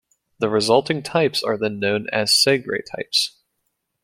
The resulting types are then known as Segre types.